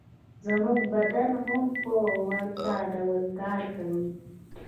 زموږ بدن هم په ورته ډول کار کوي